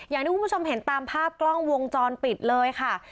อย่างที่คุณผู้ชมเห็นตามภาพกล้องวงจรปิดเลยค่ะ